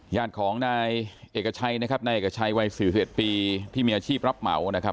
ญาติของนายเอกชัยนะครับนายเอกชัยวัย๔๑ปีที่มีอาชีพรับเหมานะครับ